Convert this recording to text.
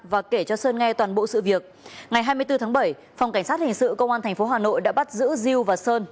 và kể cho sơn nghe toàn bộ sự việc ngày hai mươi bốn tháng bảy phòng cảnh sát hình sự công an tp hà nội đã bắt giữ diêu và sơn